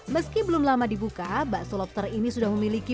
meski belum lama dibuka bakso lobster ini sudah memiliki